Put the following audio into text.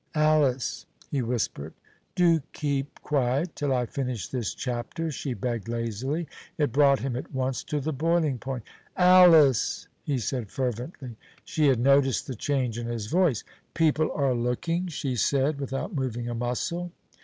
"Alice," he whispered. "Do keep quiet till I finish this chapter," she begged lazily. It brought him at once to the boiling point. "Alice!" he said fervently. She had noticed the change in his voice. "People are looking," she said, without moving a muscle.